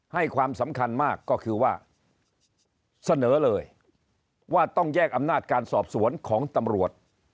ให้ความสำคัญมากก็คือว่าเสนอเลยว่าต้องแยกอำนาจการสอบสวนของตำรวจ